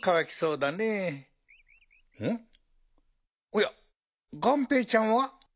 おやがんぺーちゃんは？